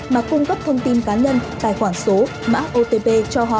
mà cung cấp thông tin cá nhân tài khoản số mã otp cho họ